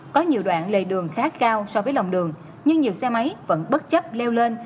có nhiều đoạn lề đường khá cao so với lòng đường nhưng nhiều xe máy vẫn bất chấp leo lên